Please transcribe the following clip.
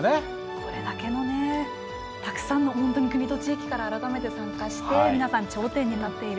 これだけのたくさんの国と地域から改めて参加して、皆さん頂点に立っている。